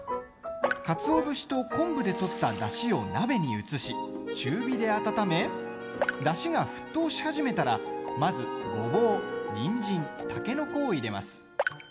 かつお節と昆布で取っただしを鍋に移し、中火で温めだしが沸騰し始めたらまず、ごぼう、にんじんたけのこを入れます。